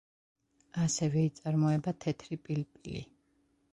ასევე იწარმოება თეთრი პილპილი.